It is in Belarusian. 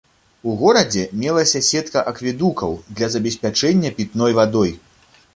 У горадзе мелася сетка акведукаў для забеспячэння пітной вадой.